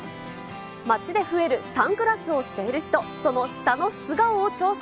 街で増えるサングラスをしている人、その下の素顔を調査。